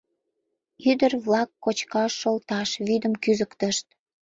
Ӱдыр-влак кочкаш шолташ вӱдым кӱзыктышт.